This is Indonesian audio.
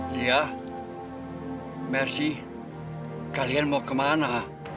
liat mercy kalian mau kemana